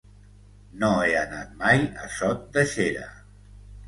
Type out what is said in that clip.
No he anat mai a Sot de Xera.